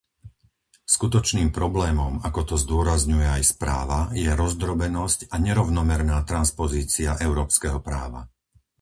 Skutočným problémom, ako to zdôrazňuje aj správa, je rozdrobenosť a nerovnomerná transpozícia európskeho práva.